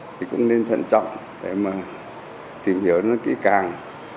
thì cũng nên thận trọng để mà tìm hiểu nó kỹ càng